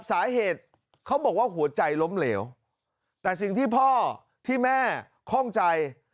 สาเหตุเขาบอกว่าหัวใจล้มเหลวแต่สิ่งที่พ่อที่แม่คล่องใจ